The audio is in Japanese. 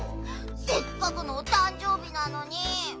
せっかくのおたんじょうびなのに。